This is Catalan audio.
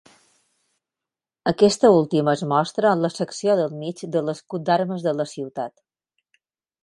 Aquesta última es mostra en la secció del mig de l'escut d'armes de la ciutat.